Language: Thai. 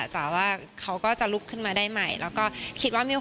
จ๋าว่าเขาก็จะลุกขึ้นมาได้ใหม่